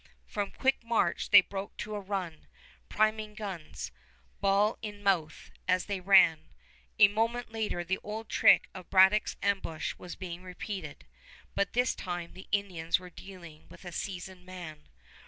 From quick march they broke to a run, priming guns, ball in mouth as they ran. A moment later the old trick of Braddock's ambush was being repeated, but this time the Indians were dealing with a seasoned man.